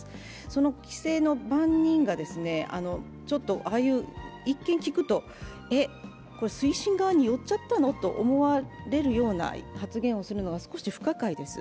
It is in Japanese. その規制の番人が一見聞くと、えっ、推進側に寄っちゃったのと思われるような発言をするのは少し不可解です。